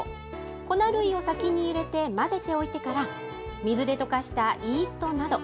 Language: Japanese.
粉類を先に入れて混ぜておいてから、水で溶かしたイーストなど。